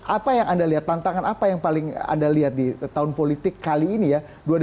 apa yang anda lihat tantangan apa yang paling anda lihat di tahun politik kali ini ya dua ribu delapan belas dua ribu sembilan belas